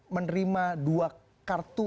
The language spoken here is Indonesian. menerima dua kartu